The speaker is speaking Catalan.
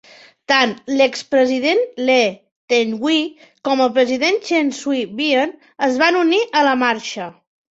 Tant l'ex-president Lee Teng-hui com el president Chen Shui-bian es van unir a la marxa.